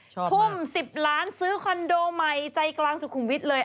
ทุ่ม๑๐ล้านซื้อคอนโดใหม่ใจกลางสุขุมวิทย์เลย